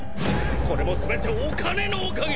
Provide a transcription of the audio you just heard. これも全てお金のおかげ！